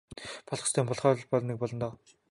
Болох ёстой юм болохоо л нэг болно.